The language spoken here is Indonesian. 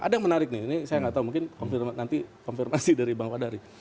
ada yang menarik nih ini saya nggak tahu mungkin nanti konfirmasi dari bang wadari